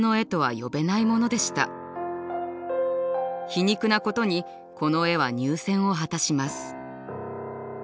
皮肉なことにこの絵は入選を果たします。